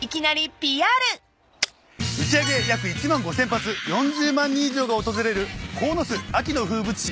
打ち上げ約１万５，０００発４０万人以上が訪れる鴻巣秋の風物詩。